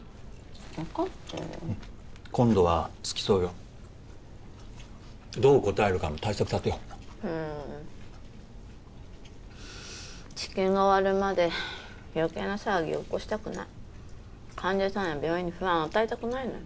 分かってる今度は付き添うよどう答えるかも対策立てよううん治験が終わるまで余計な騒ぎを起こしたくない患者さんや病院に不安与えたくないのよ